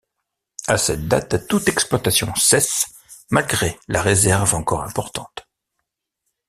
À cette date, toute exploitation cesse malgré la réserve encore importante.